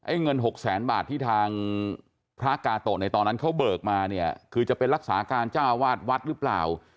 เงินหกแสนบาทที่ทางพระกาโตะในตอนนั้นเขาเบิกมาเนี่ยคือจะเป็นรักษาการเจ้าวาดวัดหรือเปล่า